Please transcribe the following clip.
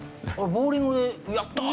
ボウリングで「やったー！」